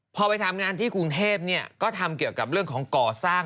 พอไปทำงานที่กรุงเทพก็ทำเกี่ยวกับเรื่องของก่อสร้าง